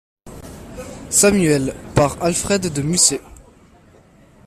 Samuel, par Alfred de Musset.